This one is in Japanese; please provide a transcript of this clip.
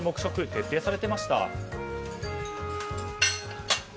徹底されていました。